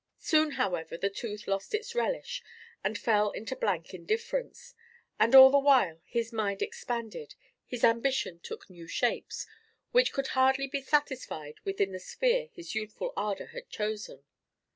Soon, however, the tooth lost its relish and fell into blank indifference; and all the while, his mind expanded, his ambition took new shapes, which could hardly be satisfied within the sphere his youthful ardour had chosen.